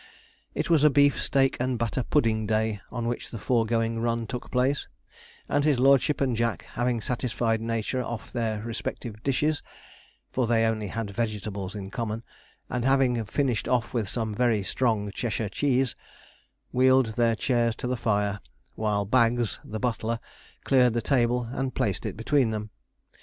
It was a beefsteak and batter pudding day on which the foregoing run took place; and his lordship and Jack having satisfied nature off their respective dishes for they only had vegetables in common and having finished off with some very strong Cheshire cheese, wheeled their chairs to the fire, while Bags the butler cleared the table and placed it between them.